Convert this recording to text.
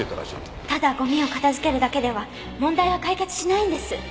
ただゴミを片づけるだけでは問題は解決しないんです。